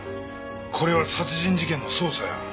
これは殺人事件の捜査や。